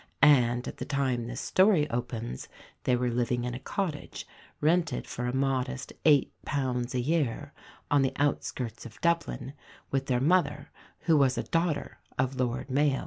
And at the time this story opens they were living in a cottage, rented for a modest eight pounds a year, on the outskirts of Dublin, with their mother, who was a daughter of Lord Mayo.